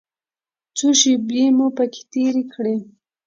څو شېبې مو پکې تېرې کړې.